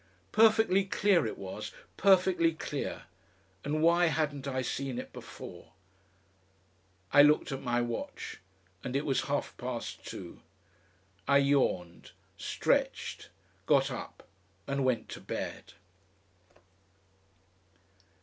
Perfectly clear it was, perfectly clear, and why hadn't I seen it before?... I looked at my watch, and it was half past two. I yawned, stretched, got up and went to bed.